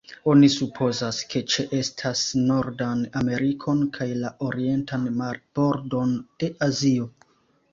Oni supozas, ke ĉeestas Nordan Amerikon kaj la orientan marbordon de Azio.